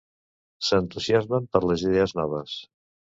S'entusiasmen per les idees noves.